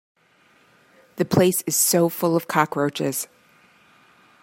The place is so full of cockroaches.